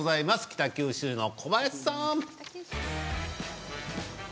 北九州の小林さん。